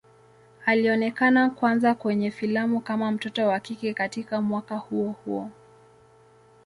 Alionekana kwanza kwenye filamu kama mtoto wa kike katika mwaka huo huo.